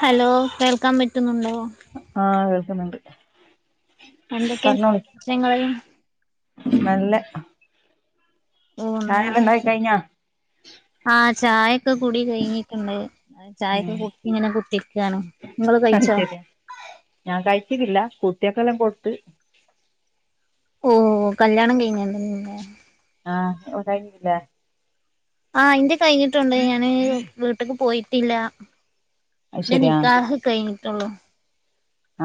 Hello കേൾക്കാൻ പറ്റുന്നുണ്ടോ ആഹ് കേൾക്കുന്നുണ്ട് എന്തൊക്കെ പ്രശ്നങ്ങള് നല്ലഹ് ചായൊ ഉണ്ടായി കഴിഞ്ഞാ ആഹ് ചായൊക്കെ കുടി കഴിഞ്ഞിട്ടുണ്ട് ചായയൊക്കെ ഉം കുട്ടിങ്ങനെ കുത്തി അത് ശരിയാ ഞാൻ കഴിച്ചിട്ടില്ല കൂട്ടിയെക്കെല്ലാം കൊടുത്ത് ഓഹ് കല്യാണം കഴിഞ്ഞെതന്നെല്ലേ ആഹ് ഉണ്ടായിന്നില്ലേ ആഹ് ഇന്റെ കഴിഞ്ഞിട്ടുണ്ട് ഞാന് വീട്ട്ക്ക് പോയിട്ടില്ല അത് ഇന്റെ ശരിയാ ആഹ് നിക്കാഹ് കഴിഞ്ഞിട്ടുള്ളൂ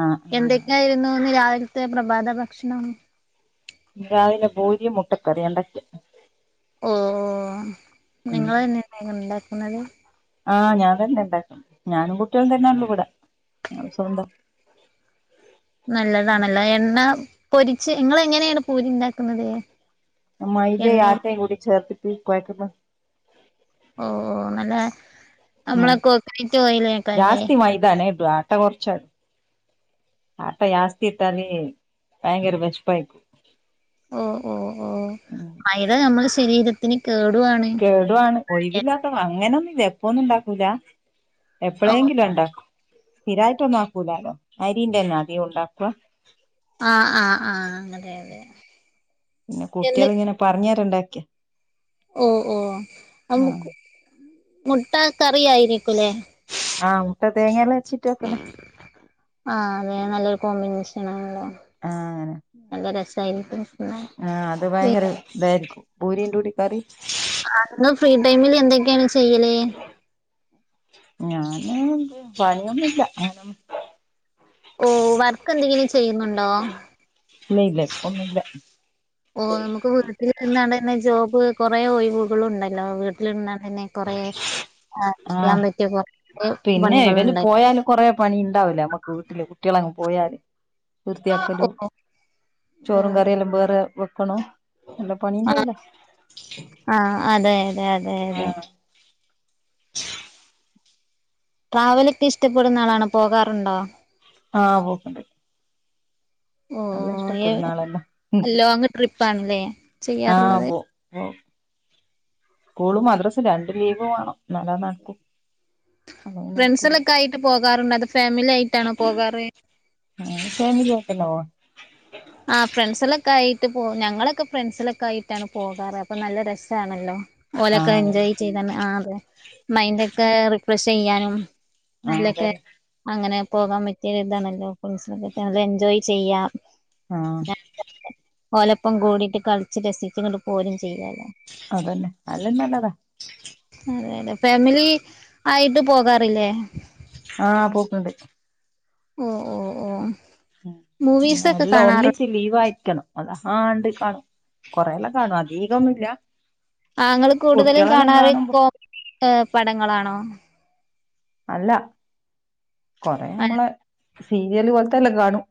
ആഹ് എന്തൊക്കെയായിരുന്നുന്ന് രാവിലത്തെ പ്രഭാത ഭക്ഷണം ഇന്ന് രാവിലെ പൂരിം മുട്ടക്കറിയാ ഇണ്ടാകിയെ ഓഓഹ് ഉം നിങ്ങളെന്നെയ ഇണ്ടാക്കുന്നത് ആഹ് ഞാൻ തന്നെണ്ടാക്കും ഞാനും കുട്ടിയളും തന്നെള്ളൂ ഇബിടെ ഞങ്ങള് സ്വന്താ നല്ലതാണല്ലേ എണ്ണ പൊരിച്ച് ഇങ്ങളെങ്ങനെണ് പൂരിണ്ടാക്കുന്നത് മൈത ആട്ടയും കൂടി ചേർത്തിട്ട് കോഴക്കുന്നു ഓഹ് ഓഹ് നല്ല നമ്മളെ കോക്കനറ്റ് ഓയിലേക്കാരല്ലേ ടാണേ ബ്ലാട്ട കുറ്ച്ചാ ആട്ട യാസ്തി ഇട്ടാല് ഭയങ്കര വെഷപ്പായിക്കു ഓ ഓ ഓ മൈദ നമ്മളെ ശരീരത്തിന് കേടുആണ് കേടുആണ് ഒഴിവില്ലാത്തവ അങ്ങനൊ ന്നും എപ്പൊന്നും ഉണ്ടാക്കൂല ഓ എപ്പളേങ്കിലും ഉണ്ടാക്കു സ്ഥിരായിട്ടൊന്നു ആക്കൂലാലോ അരിന്റെ ആദെ ഉണ്ടാക്കുവ ആഹ് ആഹ് ആ അങ്ങനെ പിന്നെ കുട്ടികള് ഇങ്ങനെ പറഞ്ഞ് രംഉണ്ടാക്കിയേ- ഓ ഓ അങ്ങ് ആഹ് മുട്ട കറി ആയിരിക്കും അല്ലേ? ആ മുട്ട തേങ്ങയെല്ലാംഅര ച്ചിട്ടാ വെക്കണേ. ആ അതെ നല്ലൊരു കോമ്പിനേഷൻ ആണല്ലോ? ആഹ് അങ്ങനെ നല്ല രസായി ആ അത് ഭയങ്കര ഇതായിരിക്കും. പൂരിന്റെ കൂടി കറി? അന്ന് ഫ്രീ ടൈമില് എന്തൊക്കെയാണ് ചെയ്യല്? ഞാന് പണിയൊന്നുമില്ല. ഓ വർക്ക് എന്തെങ്കിലും ചെയ്യുന്നുണ്ടോ? ഇതി ഇല്ല ഒന്നും ഇല്ല. ഓ നമുക്ക് വീട്ടില് നിന്നാണ്ട് തന്നെ ജോബ് കൊറെ ഒഴിവുകൾ ഉണ്ടല്ലോ വീട്ടിലിരുന്നാതന്നെ. കുറേ ആഹ് ചെയ്യാൻ പറ്റിയ കുറേ പിന്നെ പണികൾ ഇവല് ഉണ്ട്. പോയാല് കൊറേ പണികള് ഉണ്ടാവില്ലേ നമ്മക്ക് വീട്ടില് കുട്ടികളങ്ങ് പോയാല് വ്യത്തിയാക്കലും ചോറും കറിയെല്ലാം വേറെ വെക്കണം എ പണി ആഹ് ഉണ്ടാവുല്ല ആഹ് അതെ അതെ അതെ അതെ ആഹ് ട്രാവലൊക്കെ ഇഷ്ടപ്പെടുന്ന ആളാണോ? പോകാറുണ്ടോ? ആ പോക്കുണ്ട് ഓ ഇഷ്ടപ്പെടുന്ന ഓ ആളന്നെ ലോങ് ട്രിപ്പാണ്ല്ലേ? ആ ചെയ്യാറുള്ളത് പോ ഓ സ്കൂളും മദ്രസയും രണ്ടു ലീവ് വേണം. എന്നാലേ അത് നടക്കും. ഫ്രണ്ട്സുകളു ആയിട്ട് പോകാറുണ്ടോ അതോ ഫാമിലി ആയിട്ടാണോ പോകാറ്? ഫമിലി ആയിട്ടാണോ? ആ ഫ്രണ്ട്സുകളായിട്ട് പോകു ഞങ്ങളൊക്കെ ഫ്രണ്ട് സുക ളായിട്ടാണ് പോകാറ്. അപ്പൊ നല്ല രസമാണല്ലോ? ഓലൊക്കെ ആഹ് എൻജോയ് ചെയ്താ ആ ആതെ മൈൻഡ് ഒക്കെ റിഫ്രഷ് ചെയ്യാനും. നല്ലൊക്കെ അതന്നെ അങ്ങനെ പോകാൻ പറ്റിയ ഇതാണല്ലോ ഫ്രണ്ട്സുമെക്കെയായിട്ട് എൻജോയ് ചെയ്യാം. ആഹ് ഓലപ്പം കൂടിയിട്ട് കളിച്ച് രസിച്ച് ഇങ്ങട്ട് പോരു ചെയ്യാല്ലോ. അതന്നെ അതിലു നല്ലതാ. അതെ അതെ ഫാമിലി ആയിട്ട് പോകാറില്ലേ? ആ പോക്ക്ണ്ട്. ഓ ഓ ഓ മൂവിസ് ഒക്കെ കാണാറു ലീവ് ആയിരിക്കണം അതാണ്ട് കാണും. കൊറേല്ലേ കാണും അധികമില്ല. ആ നിങ്ങള് കൂടുതലും കാണാറ് കാണുമ്പോ കോ പടങ്ങളാണോ? അല്ല കൊറേ നമ്മള് സീരിയല് പോലത്തെല്ലാം കാണും.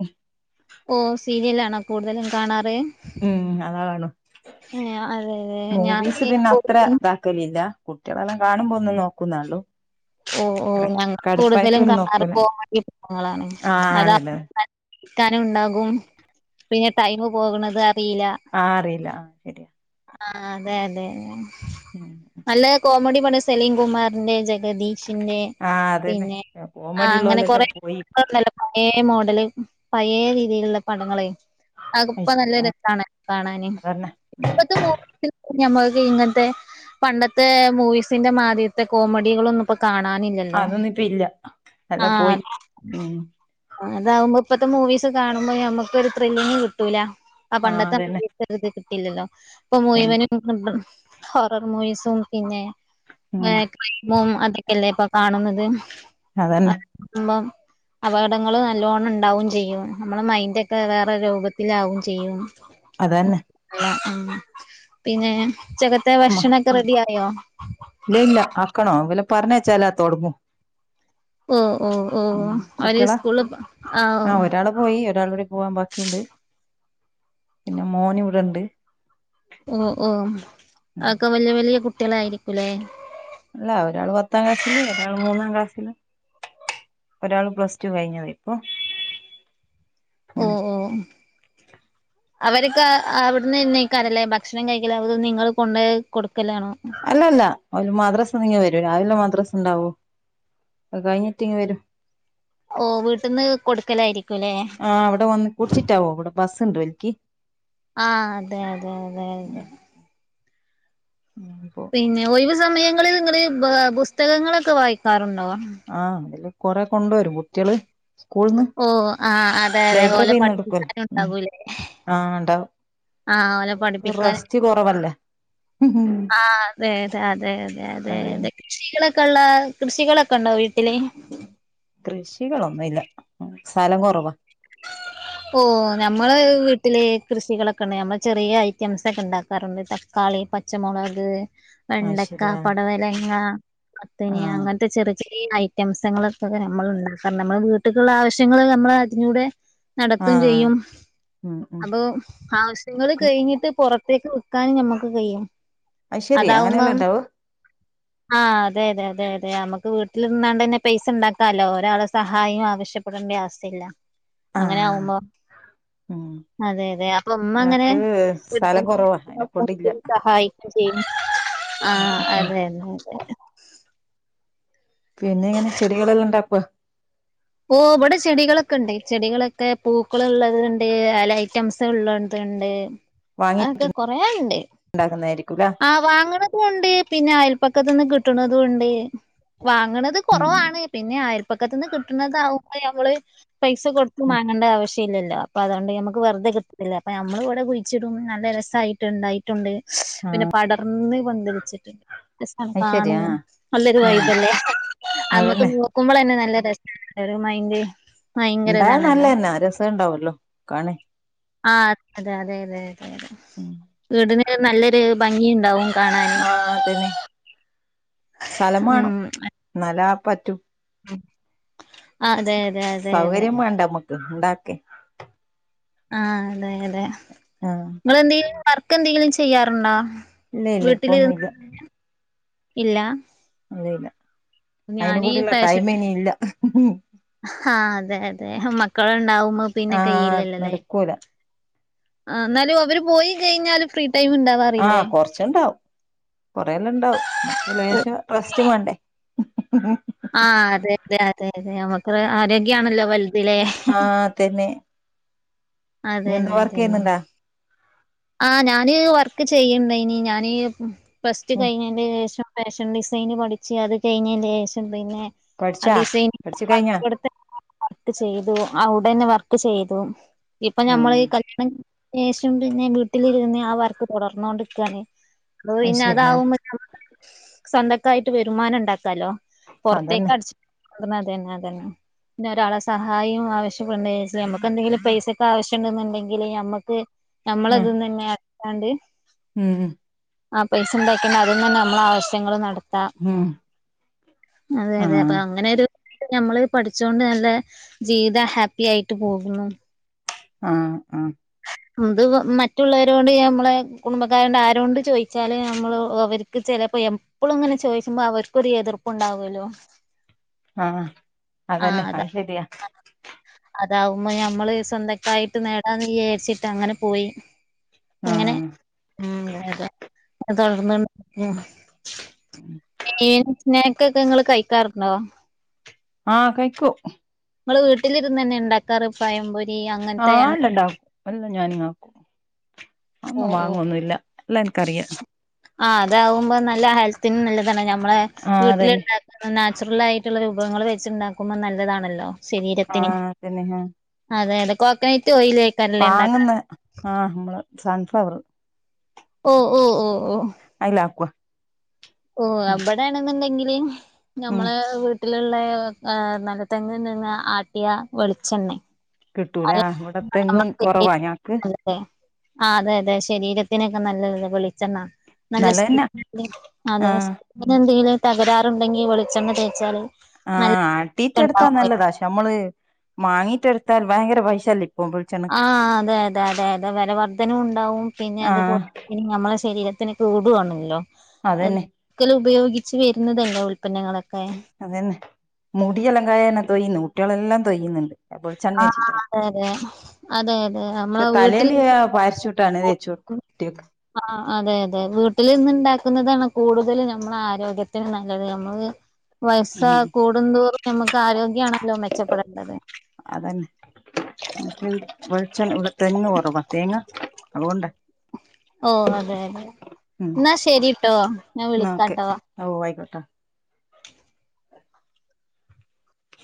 ഓ സീരിയലാണോ കൂടുതലും കാണാറ്? ഉം. അതാ കാണും. ഏഹ് അതെ അതെ മൂവീസ് ഞാന് പിന്നെ അത്ര കൂടുതലും [unintelligible] കുട്ടികളെല്ലാം കാണുമ്പോ ഒന്നും നോക്കുന്നേ ഉള്ളു. ഓ ഓ ഞങ്ങൾ കൂടുതലും കാറിൽ നോക്കൂല പോവാൻ വേണ്ടി പോണതാ. ആഹ് അതാ അതന്നെ കാരം ഉണ്ടാകും പിന്നെ ടൈമ് പോകണത് അറിയില്ല. ആ അറിയില്ല ശരിയാ. ആ അതെ അതെ നല്ല കോമഡി പട സലീം കുമാറിൻ്റെ, ജഗദീഷിൻ്റെ. ആ അതെനൊ കോമഡിയുള്ളവരെല്ലാം കൊറേ പോയിപ്പം. പടങ്ങളുണ്ടല്ലോ പഴയ മോഡല് പഴയ രീതിയിലുള്ള പടങ്ങള് ആഹ്പ നല്ല രസണ് കാണാന്. അതന്നെ ഇപ്പത്തെ മൂവി ഞമ്മക്ക് ഇങ്ങനത്തെ പണ്ടത്തെ മൂവിസിന്റെ മാതിരത്തെ കോമഡികളൊന്നും ഇപ്പ കാണാനില്ല അതൊന്നിപ്പയില്ല എല്ലാ പോയി ഉം അതാവുമ്പോ ഇപ്പത്തെ മൂവീസ് കാണുമ്പോ നമ്മുക്കൊരു ത്രില്ലും കിട്ടൂല ആ ആഹ് പണ്ടത്തെ അതന്നെ വെറുതെ കിട്ടില്ലല്ലോ ഇപ്പ അതന്നെ മുഴുവനും ഹൊറർ മൂവീസും പിന്നെ ഏ ഉം ക്രീമും അതൊക്കെയല്ലേ ഇപ്പൊ കാണുന്നത്. അതന്നെ മ്മം അപകടങ്ങള് നല്ലോണം ഇണ്ടാവും ചെയ്യും നമ്മള് മൈന്റൊക്കെ വേറെ രൂപത്തിലാവും ചെയ്യും. അതന്നെ ആ പിന്നെ ഉച്ചകത്തെ ഭക്ഷണൊക്കെ റെഡിയായോ ഇല്ലഇല്ല ആക്കണോ വല്ല പറഞ്ഞായച്ചാല്ലോതുടങ്ങും ഓ ഓ ഓ അവര് കുട്ടികളാ സ്കൂള് ആ ആഹ് ഒരാള് പോയി ഒരാളൂടെ പോവാൻ ബാക്കിയുണ്ട് പിന്നെ മോനിവിടെണ്ട് ഓ ഓ അതെക്കെ വല്യ വല്യ കുട്ടികളായിരിക്കുല്ലേ. അല്ല ഒരാള് പത്താം ക്ലാസില് ഒരാള് മൂന്നാം ക്ലാസില്. ഒരാള് പ്ലസ് ടു കയിഞ്ഞുപോയി ഇപ്പം ഓ ഓ അവര്ക്ക് അവിടുന്ന്നെക്കാറല്ലേ ഭക്ഷണം കഴിക്കല് അതോ നിങ്ങള് കൊണ്ടോയി കൊടുക്കലാണോ. അല്ലല്ല ഓല് മാദ്രാസണ്ടെങ്ങ വരും രാവിലെ മാദ്രാസണ്ടാവും അത്കയിഞ്ഞിട്ടിങ്ങ് വരും ഓ വീട്ടിൽന്ന് കൊടുക്കലായിരിക്കുംല്ലേ ആ അവിടെ വന്ന് കൂടിച്ചിട്ടാവോ? അവിടെ ബസ് ഉണ്ട് ഇവര്ക്ക് ആഹ് അതെയതെയതെയതെ ഹ്മ് പൊ പിന്നെ ഒഴിവ് സമയങ്ങളിലിങ്ങള് പുസ്തകങ്ങളൊക്കെ വായിക്കാറുണ്ടോ ആഹ് അതില് കൊറെ കൊണ്ടരും കുട്ട്യള് ഓ ആ അതെ അതെയതെ ഓല് ലൈബ്രറിന്ന് എടുക്കുവല്ലോ ഉം പഠിക്കാന്ണ്ടാവൂലേ ആഹ് ഉണ്ടാവും ആഹ് ഓലെ പഠിപ്പിക്കാന് റസ്റ്റ് കൊറവല്ലേ ആ അതെതെ അതെയതെ അതെതെ അതന്നെ കൃഷികളൊക്ക്‌ള്ള കൃഷികളൊക്ക്‌ണ്ടോ വീട്ടില് കൃഷികളൊന്നുല്ല സ്ഥലം കൊറവാ ഓ ഞമ്മള് വീട്ടില് കൃഷികളൊക്ക്‌ണ്ട് നമ്മള് ചെറിയ ഐറ്റംസൊക്ക്‌ണ്ടാക്കാറുണ്ട് ട്ടോ തക്കാളി പച്ചമൊളക് അത് വെണ്ടക്ക ശരിയാ പടവലങ്ങ മത്തന് അങ്ങന് ആഹ് ഇങ്ങനത്തെ ചെറിചെറീ ഐറ്റംസ്ങ്ങളൊക്ക്‌ക്കെ നമ്മള്ണ്ടാക്കാറ്ണ്ട് നമ്മള് വീട്ട്ക്കുള്ള ആവശ്യങ്ങള് നമ്മള് അതിലൂടെ നടത്തും ആഹ് ചെയ്യും ഉം ഉം അപ്പൊ ആ നിങ്ങള് കയിഞ്ഞിട്ട് പൊറത്തേക്ക് വ്ക്കാനും നമ്മുക്ക് കയ്യും അത് ശരി അങ്ങനെയല്ലേ അതാവുമ്പം [inaudible] ഉണ്ടാവ ആഹ് അതെതെ അതെയതെ നമുക്ക് വീട്ടിലിര്ന്നാണ്ട്തന്നെ പൈസണ്ടാക്കാല്ലോ ഒരാളെ സഹായും ആവശ്യം കുട്മ്പെആവ്സില്ല ആഹ് അങ്ങനെയാകുമ്പൊ ഉം അതെതെ അപ്പൊ ഉമ്മെങ്ങനെ ഞങ്ങക്ക് സ്ഥലം അട്ക്കും കുറവാ അയിനെക്കൊണ്ടില്ല തൊട്ക്കും സഹായി ഉം ആഹ് ഉം ഉം അതന്നെ അതെ പിന്നെങ്ങനെ ചെടികളെല്ലാണ്ടാക്ക്‌ഓ ഓ ഇവിടെ ചെടികളൊക്ക്‌ണ്ട് ചെടികളൊക്കെ പൂക്കളുള്ളത്ണ്ട് എല ഐറ്റം രസുള്ളത്ണ്ട് വാങ്ങിട്ട് അതൊക്കെ കൊറേയ്ണ്ട് ഉണ്ടാക്കുന്നതായിരിക്കുംല്ലേ ആ വാങ്ങ്ണതുണ്ട് പിന്നെ അയൽപക്കത്ത്ന്ന് കിട്ട്ണതുണ്ട്. വാങ്ങ്ണത് ഉം കൊറവാണ് പിന്നെ അയൽപ്പക്കത്ത്ന്ന് കിട്ട് വുമ്പ നമ്മള് പൈസ കൊടുത്തും ഉം വാങ്ങണ്ട ആവശ്യ ശ്യില്ലല്ലോ അപ്പതുകൊണ്ട് നമുക്ക്‌ വെറുതെ കിട്ട്ണില്ലേ അപ്പ നമ്മളിവിടെ കുഴിച്ചിടും നല്ല രസായിട്ട്ണ്ടായി ട്ടുണ്ട് പിന്നെ ആഹ് പടർന്ന് പന്തലിച്ചിട്ട്ണ്ട്. അത് ശരി ആഹ് [unintelligible] നല്ലൊരു ആഹ് വൈബല്ലേ അന്നത്തെ അതന്നെ മൂ ക്കുമ്പളെന്നെ നല്ല രസായിരിക്കുംലൊരു മൈന്റ് ഇണ്ടായാ നല്ലെന്നെ രസണ്ടാവല്ലോ കാണാൻ ആഹ് അതെ അതെതെതെതെ ഉം വീടിന് നല്ലൊരു ഭംഗിയ ഉണ്ടാവും ആഹ് അതന്നെ സ്ഥലമാണോ ന്നല പറ്റൂ ഉം ആ അതെ അതെ അതെ അതെ സൗകര്യം വേണ്ട മ്മുക്ക് ഉണ്ടാക്കെ ആഹ് അതെ അതെ ആഹ് നിങ്ങളെന്തെങ്കിലും വർക്ക് എന്തെങ്കിലും ചെയ്യാറുണ്ടോ ഇല്ല ഇല്ല ഇപ്പൊ ഒന്നും വീട്ടിലിരുന്ന് ഇല്ല ഇല്ല ഒന്നുംഇല്ല അയിന് ഞാനീ കൂടെള്ള ടൈം ഇനി ഇല്ല ആഹ് അതെ അതെ മക്കളുണ്ടാവുമ്പോ പിന്നെ ആഹ് കയ്യില്ലല്ലല്ലേ നടക്കൂല ആഹ് എന്നാലും അവര് പോയി കഴിഞ്ഞാല് ഫ്രീ ടൈം ഉണ്ടാവും ആഹ് കൊറച്ചുണ്ടാവും കൊറെല്ലാം ഉണ്ടാവും നക്ക് ലേശം റെസ്റ്റ് വേണ്ടേ ആഹ് അതെ അതെ അതെ അതെ നമുക്ക് ആരോഗ്യാണല്ലോ വലുതലെ ആഹ് ആതന്നെ ഇനി എന്താ അതന്നെ വർക്ക് അതന്നെ ചെയ്യുന്നുണ്ടാ ആഹ് ഞാന് വർക്ക് ചെയ്യുന്നുണ്ട ഇനി ഞാന് ഫ്സ്റ്റ് ഉം കഴിഞ്ഞതിന് ശേഷം ഫാഷൻ ഡിസൈന് പഠിച്ചു അത് കഴിഞ്ഞതിന് ശേഷം പിന്നെ പഠിച്ചാ [unintelligible] പഠിച്ചു കഴിഞ്ഞാ വർക്ക് ചെയ്തു അവിടെന്നെ വർക്ക് ചെയ്തു ഇപ്പൊ ആ ഞമ്മൾ ഈ കല്യാണം ശേഷംണ്ട് ഞാൻ വീട്ടിലിരുന്ന് ആ വർക്ക് തുടർന്നൊണ്ടിരിക്കാണ് അപ്പൊ അത് പിന്നെ ശരി അതാവുമ്പ സ്വന്തക്കായിട്ട് വരുമാനം ഉണ്ടാക്കാലോ പുറത്തേക്ക് അതന്നെ അട [unintelligible] അതെന്നെ അതന്നെ പിന്നെ ഒരാളെ സഹായം ആവശ്യപ്പെടച്ച നമുക്ക്ന്തെങ്കില പൈസൊക്കെ ആവശ്യംണ്ടെന്നുണ്ടെങ്കില് മ്മുക്ക് ഞമ്മള അതൊന്ന തന്നെ അക്കാണ്ട് ഉം ഉം ആ പൈസ ഉണ്ടാക്കിണ്ടണ്ട് അതും തന്നെ നമ്മൾ ആവശ്യങ്ങങ്ങള് നടത് ഉം [unintelligible] അതെതെ അപ്പൊ ആഹ് അങ്ങനെരു ഞമ്മള് പഠിച്ചുണ്ട് നല്ല ജീവിതം ഹാപ്പി ആയിട്ട് പോകുന്നു ആഹ് ആഹ് എന്ത് മറ്റുള്ളവരോണ്ട് നമ്മളെ കുടുംബക്കാരട് ആരോണ്ട് ചോദിച്ചാല് നമ്മള് അവർക്ക് ചിലപ്പോ എ ഇപ്പോളും ഇങ്ങനെ ചോദിക്കുമ്പോ അവർക്ക് ഒരു എതിർപ്പ്ണ്ടാവുല്ലോ അഹ് അതന്നെ അത അയ് ശരിയ അതാവുമ്പോ ഞമ്മള് സ്വന്തക്കായിട്ട് നേടാന്ന് വിചാരിച്ചിട്ട് അങ്ങനെ പോയി അങ്ങനെ ആഹ് ഉം അതെ തുടർന്ന് ഉം മീ സ്നക്ക് ഒക്കെ നിങ്ങള് കഴിക്കാറുണ്ടോ ആഹ് കൈക്കു മ്മൾ വീട്ടിലിര്ന്ന് ന്നെ ണ്ടാക് തറപ്പായം പൊരി അങ് ആഹ് അല്ല ഉണ്ടാക്കും എല്ലാം ഞാനുംങ്ങ ആക്കും അന്നും വാങ്ങൊന്നുംല്ല എല്ലൻ കറിയ ആഹ് അതാവുമ്പോ നല്ല ഹെൽത്തിന് നല്ലതാണ് നമ്മളെ ആഹ് അതന്നെ വീട്ടിലുണ്ടാക്കുന്ന നാച്ചുറൽ ആയി [unintelligible] രൂപങ്ങൾ വെച്ചുണ്ടാക്കുമ്പോൾ നല്ലതാണല്ലോ ശരീരത്തിനും ആഹ് അതന്നെ ആഹ് അതെ അതെ കോക്കനറ്റ് യിലേ വാങ്ങുന്ന ആഹ് നമ്മള് സൺഫ്ലവർ ഓഹ് ഓഹ് ഓഹ് ഓഹ് [unintelligible] ഓ ഉം അവിടെയാണെന്നുണ്ടെങ്കില് ഉം ഞമ്മളെ വീട്ടിലുള്ള നല്ല തെങ്ങ് നിന്ന് ആട്ടിയ വെളിച്ചെണ്ണ കിട്ടൂലേ അത് ആഹ് ഇവിടെത്തെങ്ങും കൊറവാ ഞങ്ങക്ക് ആ അതെതെ ശരീരത്തിനൊക്കെ നല്ല ഇത വെളിച്ചെണ്ണ നല്ല സ്കിൻ നല്ലതന്നാ അല്ലെ അതെ ആഹ് സ്‌കിന്നിന് എന്തെങ്കിലും തകരാറുണ്ടെങ്കിൽ വെളിച്ചെണ്ണ തേച്ചാല് നല്ല ആഹ് ആട്ടീട്ട് എടുത്താ ഉണ്ടാവും നല്ലതാ പക്ഷെ നമ്മള് മാങ്ങീട്ട് എടുത്താൽ ഭയങ്കര പൈസല്ലേ ഇപ്പൊ വെളിച്ചെണ്ണക്ക് ആഹ് അതെ അതെ അതെ അതെ വില വർധനവ് ഉണ്ടാവും പിന്നെ ആഹ് അതുപോലെ ഇനി നമ്മളെ ശരീരത്തിന് കൂടുവാണല്ലോ അതന്നെ അത്ക്കല് ഉപയോഗിച്ച് വരുന്നതല്ലോ ഉൽപന്നങ്ങളൊക്കെ അതന്നെ മുടിയലങ്കായ തന്നെ തൊയുന്നു കുട്ടികളെല്ലാം തൊയ്യുന്നുണ്ട് വെളിച്ചെണ്ണ ആഹ് തേച്ചിട്ട അതെ അതെ അതെ അതെ നമ്മളെ പക്ഷെ തലേല് വീട്ടിലിരുന്ന് പാരച്ചുട്ട് [unintelligible] തേച്ച് വെക്കും കുട്ടികക്ക് ആഹ് അതെ അതെ വീട്ടില് നിന്ന് ഉണ്ടാക്കുന്നതാണ് കൂടുതൽ നമ്മള് ആരോഗ്യത്തിന് നല്ലത്. നമ്മള് വയസ്സ് ഉം കൂടുന്തോറും നമുക്ക് ആരോഗ്യമാണല്ലോ മെച്ചപ്പെടേണ്ടത്. അതന്നെ എനിക്ക് വെളിച്ചെൺ ഇവിടെ തെങ്ങ് കുറവാ തേങ്ങ അതുകൊണ്ട ഓ അതെ അതെ ഉം എന്നാ ശരിട്ടോ ഞാൻ എന്നാ ഓക്കെ വിളിക്കാട്ടോ. ഓ ആയിക്കോട്ടെ